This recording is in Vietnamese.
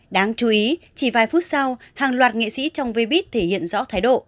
đáng chú ý chỉ vài phút sau hàng loạt nghệ sĩ trong vb thể hiện rõ thái độ